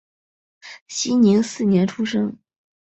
熙宁四年出生。